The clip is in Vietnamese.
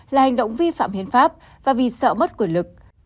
là hành động vi phạm hiến pháp và vì sợ mất quyền lực